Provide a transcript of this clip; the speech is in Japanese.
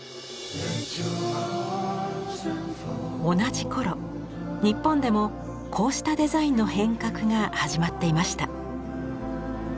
同じ頃日本でもこうしたデザインの変革が始まっていました。